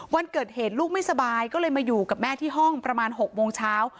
วันเกิดเหตุลูกไม่สบายก็เลยมาอยู่กับแม่ที่ห้องประมาณ๖โมงเช้า